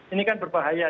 ini kan berbahaya